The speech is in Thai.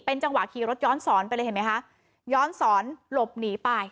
เป็นจังหวะขี่รถย้อนศรไปเลยเห็นไหมฮะย้อนศรหลบหนีไป